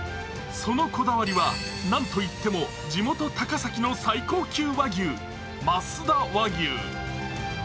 そのこだわりは、なんといっても地元・高崎の最高級和牛、増田和牛。